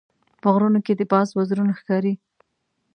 په غرونو کې د باز وزرونه ښکاري.